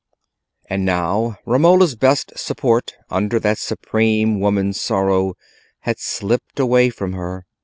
And now Romola's best support under that supreme woman's sorrow had slipped away from her.